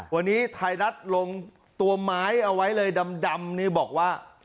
วันนี้ไทยรัฐลงตัวไม้เอาไว้เลยดำนี่บอกว่า